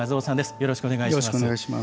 よろしくお願いします。